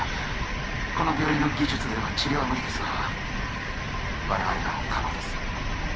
この病院の技術では治療は無理ですが我々なら可能です